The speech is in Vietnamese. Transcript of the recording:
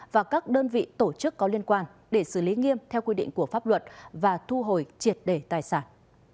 và các đơn vị tổ chức có liên quan để xử lý nghiêm theo quy định của pháp luật và thu hồi triệt đề tài sản